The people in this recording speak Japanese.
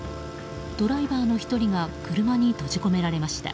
ドライバーの１人が車に閉じ込められました。